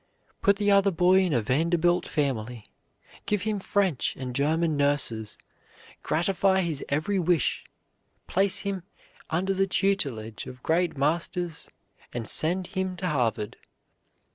Put the other boy in a Vanderbilt family. Give him French and German nurses; gratify his every wish. Place him under the tutelage of great masters and send him to Harvard.